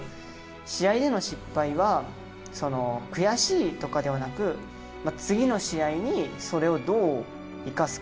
試合での失敗は悔しいとかではなく次の試合にそれをどう生かすか。